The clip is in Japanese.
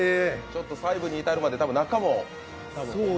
細部に至るまで、ちょっと中も。